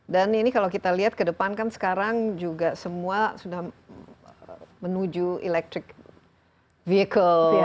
dan ini kalau kita lihat ke depan kan sekarang juga semua sudah menuju electric vehicle